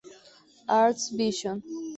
Arts Vision